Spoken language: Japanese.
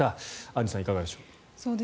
アンジュさん、いかがでしょう。